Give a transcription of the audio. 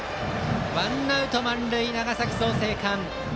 ワンアウト満塁、長崎・創成館。